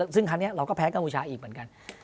ซึ่งครั้งนี้เราก็แพ้กัมพูชาอีกเหมือนกัน